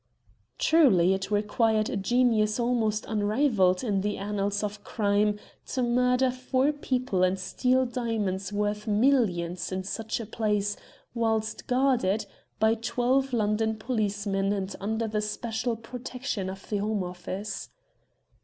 Truly, it required a genius almost unrivalled in the annals of crime to murder four people and steal diamonds worth millions in such a place whilst guarded by twelve London policemen and under the special protection of the Home Office.